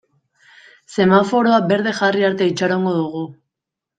Semaforoa berde jarri arte itxarongo dugu.